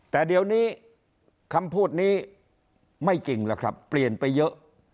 แต่เดี๋ยวนี้คำพูดนี้ไม่จริงแล้วครับเปลี่ยนไปเยอะ